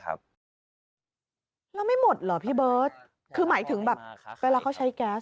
แล้วไม่หมดเหรอพี่เบิร์ตคือหมายถึงแบบเวลาเขาใช้แก๊ส